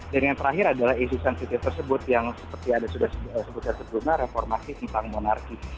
dan yang terakhir adalah isu sensitif tersebut yang seperti anda sudah sebutkan sebelumnya reformasi tentang monarki